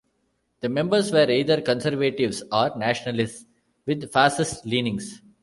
The members were either conservatives or nationalists with fascist leanings.